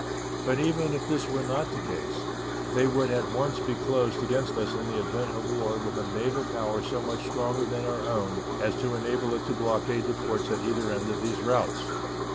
But even if this were not the case, they would at once be closed against us in the event of war with a naval power so much stronger than our own as to enable it to blockade the ports at either end of these routes.